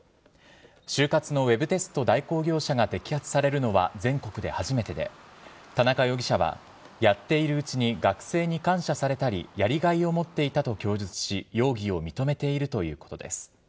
就活のウェブテスト代行業者が摘発されるのは全国で初めてで、田中容疑者は、やっているうちに学生に感謝されたり、やりがいを持っていたと供述し、容疑を認めているということです。